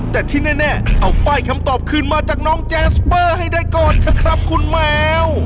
แต่ที่แน่เอาป้ายคำตอบคืนมาจากน้องแจ๊สเบอร์ให้ได้ก่อนเถอะครับคุณแมว